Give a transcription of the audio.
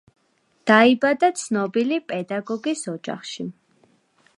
დაიბადა ცნობილი პედაგოგის ოჯახში.